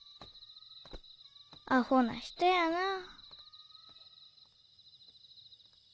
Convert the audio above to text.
アホな人やなぁ。